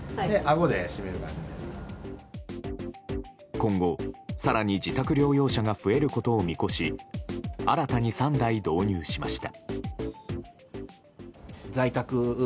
今後、更に自宅療養者が増えることを見越し新たに３台導入しました。